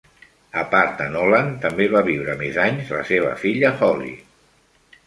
A part de Nolan, també va viure més anys la seva filla, Holly.